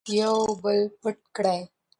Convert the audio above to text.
یو بل پټ کړئ.